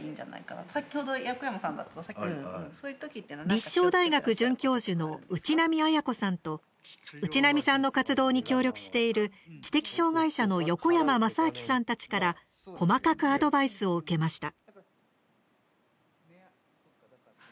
立正大学准教授の打浪文子さんと打浪さんの活動に協力している知的障害者の横山正明さんたちから細かくアドバイスを受けました。